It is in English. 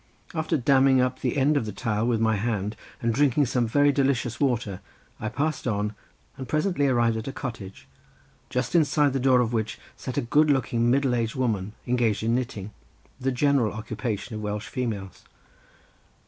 After damming up the end of the tile with my hand and drinking some delicious water I passed on and presently arrived at a cottage just inside the door of which sat a good looking middle aged woman engaged in knitting, the general occupation of Welsh females.